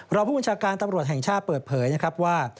รองผู้บัญชาการตำรวจแห่งชาติเปิดเผยนะครับว่า